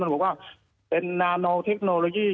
มันบอกว่าเป็นนาโนเทคโนโลยี